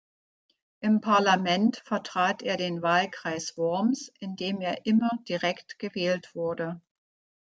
Im Parlament vertrat er den Wahlkreis Worms, in dem er immer direkt gewählt wurde.